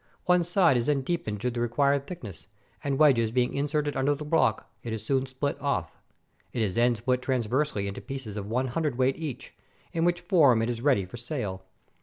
One side is then deepened to the required thickness, and wedges being inserted under the block, it is soon split off. It is then split transversely into pieces of one hundred weight each, in which form it is ready for sale.